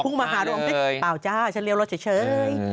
พรุ่งมาหาดูเปล่าจ้าฉันเลี้ยวรถเฉย